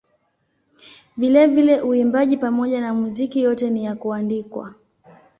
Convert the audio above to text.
Vilevile uimbaji pamoja na muziki yote ni ya kuandikwa.